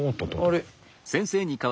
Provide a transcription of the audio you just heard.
あれ？